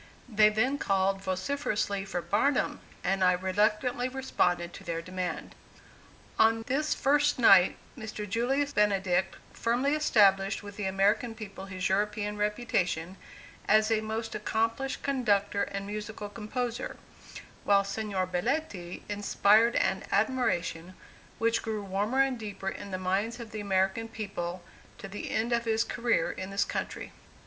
They then called vociferously for "Barnum," and I reluctantly responded to their demand. On this first night, Mr. Julius Benedict firmly established with the American people his European reputation, as a most accomplished conductor and musical composer; while Signor Belletti inspired an admiration which grew warmer and deeper in the minds of the American people, to the end of his career in this country.